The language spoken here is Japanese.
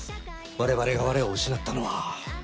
我々が我を失ったのは。